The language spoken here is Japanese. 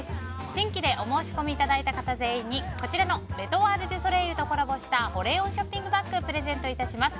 新規でお申し込みいただいた方全員に、こちらのレ・トワール・デュ・ソレイユとコラボした保冷温ショッピングバッグをプレゼント致します。